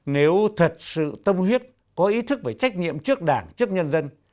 nếu thật sự tâm huyết có ý thức về trách nhiệm trước đảng trước nhân dân